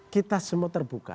kita semua terbuka